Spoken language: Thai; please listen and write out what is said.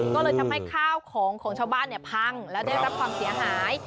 ก็เลยทำให้ข้าวของของชาวบ้านพังแล้วได้รับความเสียหาย